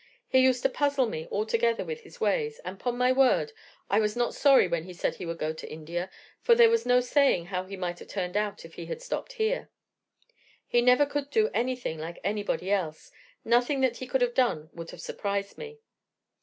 He used to puzzle me altogether with his ways, and, 'pon my word, I was not sorry when he said he would go to India, for there was no saying how he might have turned out if he had stopped here. He never could do anything like anybody else: nothing that he could have done would have surprised me.